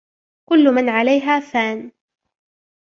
كل من عليها فان